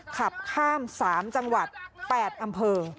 ขับข้ามสามจังหวัดแปดอำเภอ